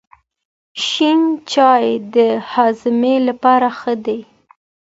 شنه چای د هاضمې لپاره ښه دی.